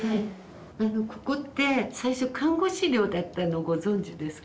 あのここって最初看護師寮だったのご存じですか？